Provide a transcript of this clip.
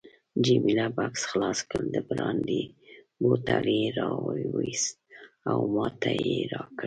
جميله بکس خلاص کړ، د برانډي بوتل یې راوایست او ماته یې راکړ.